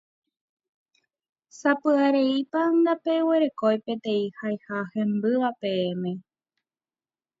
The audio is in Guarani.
Sapy'areípa ndapeguerekói peteĩ haiha hembýva peẽme.